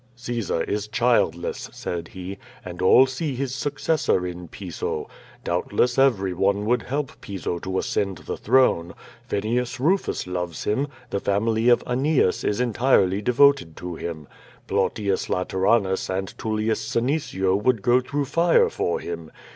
"Caesar is childless," said he, "and all see his successor in Piso. Doubtless everyone would help Piso to ascend the throne. Fenius Kufus loves him, the family of Annaeus is entirely devoted to him. Plautius Lateranus and Tullius Senecio would go through fire for him.